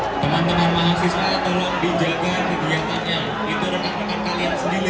hai teman teman mahasiswa tolong dijaga kegiatannya itu rekan rekan kalian sendiri